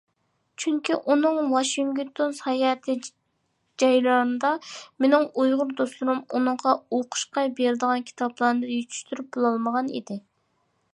چۈنكى ئۇنىڭ ۋاشىنگتون ساياھىتى جەريانىدا، مىنىڭ ئۇيغۇر دوستلىرىم ئۇنىڭغا ئوقۇشقا بېرىدىغان كىتابلارنى يېتىشتۈرۈپ بولالمىغان ئىدى.